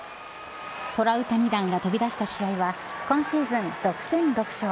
トラウタニ弾が飛び出した試合は、今シーズン６戦６勝。